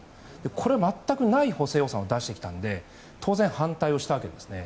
これを全くない補正予算を出してきたので当然反対したわけですね。